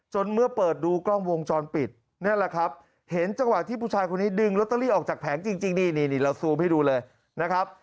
เมื่อเปิดดูกล้องวงจรปิดนั่นแหละครับเห็นจังหวะที่ผู้ชายคนนี้ดึงลอตเตอรี่ออกจากแผงจริงนี่เราซูมให้ดูเลยนะครับ